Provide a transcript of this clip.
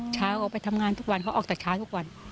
ช้าเขาออกเดินให้ทักงานจังทุกวัน